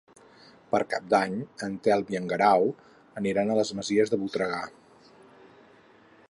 Per Cap d'Any en Telm i en Guerau aniran a les Masies de Voltregà.